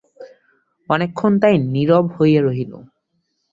অনেকক্ষণ তাই নীরব হইয়া রহিল।